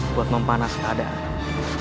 buat mempanas keadaan